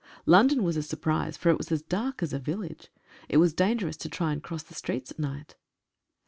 London was a surprise, for it was as dark as a village. It was dan gerous to try and cross the streets at night.